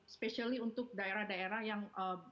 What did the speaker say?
specially untuk daerah daerah yang